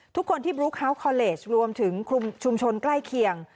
ทุกคนที่บลูเฮาสคอเลสรวมถึงชุมชนใกล้เคียง